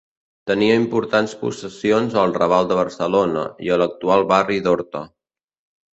Tenia importants possessions al Raval de Barcelona i a l'actual barri d'Horta.